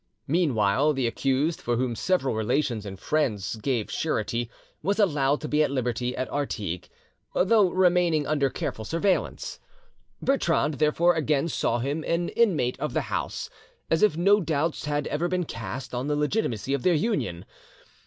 Meanwhile, the accused, for whom several relations and friends gave surety, was allowed to be at liberty at Artigues, though remaining under careful surveillance. Bertrande therefore again saw him an inmate of the house, as if no doubts had ever been cast on the legitimacy of their union.